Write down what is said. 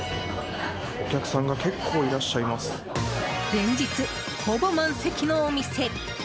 連日ほぼ満席のお店。